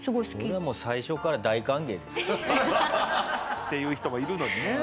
俺はもう。っていう人もいるのにね。